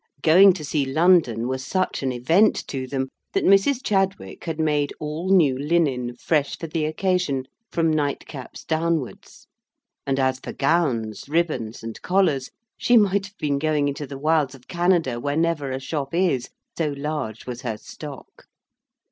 Going to see London was such an event to them, that Mrs. Chadwick had made all new linen fresh for the occasion from night caps downwards; and, as for gowns, ribbons, and collars, she might have been going into the wilds of Canada where never a shop is, so large was her stock.